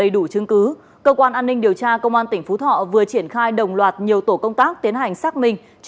do cơ quan an ninh điều tra công an tỉnh phú thọ triệt phá từ năm hai nghìn một mươi bảy